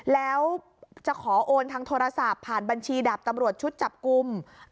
แล้วจะขอโอนทางโทรศัพท์ผ่านบัญชีดาบตำรวจชุดจับกลุ่ม